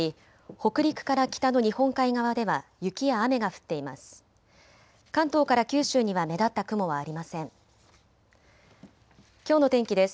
北陸から北の日本海側では雪や雨が降っています。